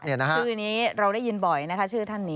ชื่อนี้เราได้ยินบ่อยนะคะชื่อท่านนี้